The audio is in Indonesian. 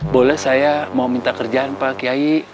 boleh saya mau minta kerjaan pak kiai